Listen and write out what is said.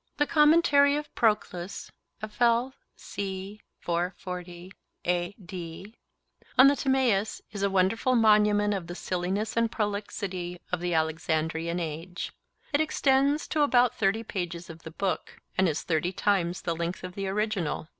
The commentary of Proclus on the Timaeus is a wonderful monument of the silliness and prolixity of the Alexandrian Age. It extends to about thirty pages of the book, and is thirty times the length of the original.